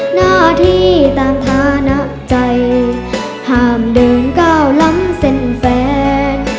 หน้าที่ตามฐานะใจห้ามดื่มก้าวล้ำเส้นแฟน